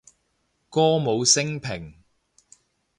歌舞昇平